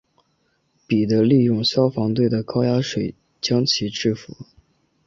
彼得利用消防队的高压水将其制伏。